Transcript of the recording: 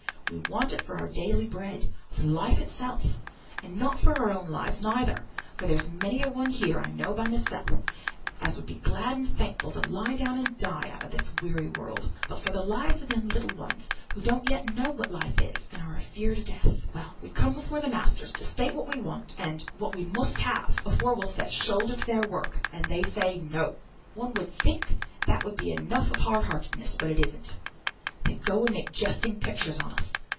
We want it for daily bread, for life itself; and not for our own lives neither (for there's many a one here, I know by mysel, as would be glad and thankful to lie down and die out o' this weary world), but for the lives of them little ones, who don't yet know what life is, and are afeard of death. Well, we come before th' masters to state what we want, and what we must have, afore we'll set shoulder to their work; and they say, 'No.' One would think that would be enough of hard heartedness, but it isn't. They go and make jesting pictures of us!